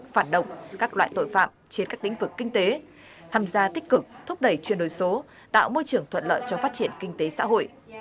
phản động các loại tội phạm trên các lĩnh vực kinh tế tham gia tích cực thúc đẩy chuyên đổi số tạo môi trường thuận lợi cho phát triển kinh tế xã hội